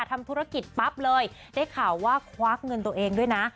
ทำธุรกิจปั๊บเลยได้ข่าวว่าควักเงินตัวเองด้วยนะ